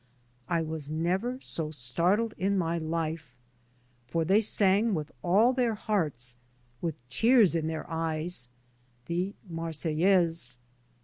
I was never so startled in my life. For they sang with all their hearts, with tears in their eyes — the Marseillaise.